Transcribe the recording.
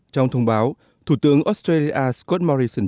trong thông báo thủ tướng australia scott morrison